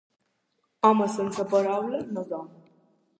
Home sense paraula no és home.